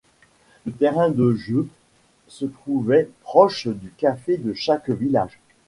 Le terrain de jeu se trouvait proche du café de chaque village.